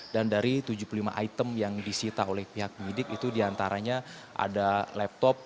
dan dari tujuh puluh lima item yang disita oleh pihak lider diantineya ada laptop